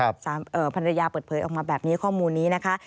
ภรรยาเปิดเผยออกมาแบบนี้ข้อมูลนี้นะคะ